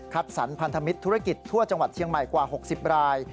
สรรพันธมิตรธุรกิจทั่วจังหวัดเชียงใหม่กว่า๖๐ราย